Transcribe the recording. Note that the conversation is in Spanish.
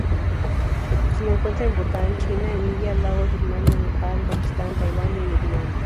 Se la encuentra en Bután, China, India, Laos, Birmania, Nepal, Pakistán, Tailandia y Vietnam.